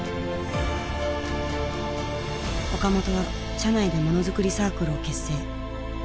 岡本は社内でモノづくりサークルを結成。